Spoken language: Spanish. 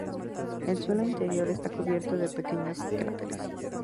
El suelo interior está cubierto de pequeños cráteres.